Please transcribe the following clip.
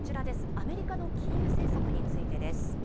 アメリカの金融政策についてです。